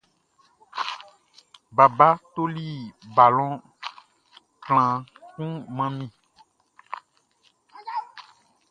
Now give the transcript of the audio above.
Baba toli balɔn klanhan kun man mi.